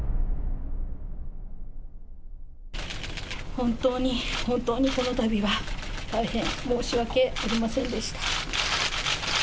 本当に、本当にこのたびは大変申し訳ありませんでした。